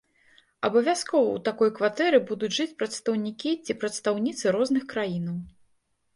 Абавязкова ў такой кватэры будуць жыць прадстаўнікі ці прадстаўніцы розных краінаў.